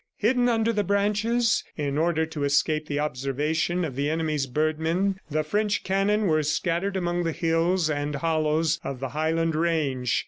Hidden under the branches, in order to escape the observation of the enemy's birdmen, the French cannon were scattered among the hills and hollows of the highland range.